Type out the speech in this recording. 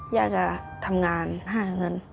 ย่าจะทำงานห้างนั้น